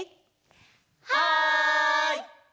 はい！